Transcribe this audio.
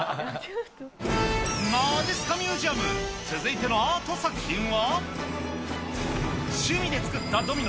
まじっすかミュージアム、続いてのアート作品は。